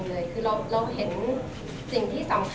ช่วงแรกก็หนักที่สุดในชีวิตที่ต้องเจอ